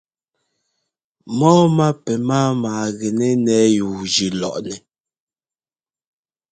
Mɔ́ɔmá pɛ máama gɛnɛ́ ńnɛ́ɛ yúujʉ́ lɔꞌnɛ.